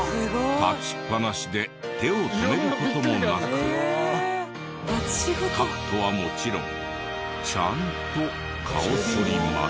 立ちっぱなしで手を止める事もなくカットはもちろんちゃんと顔そりまで。